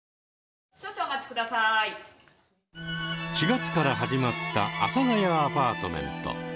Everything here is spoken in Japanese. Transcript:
４月から始まった「阿佐ヶ谷アパートメント」。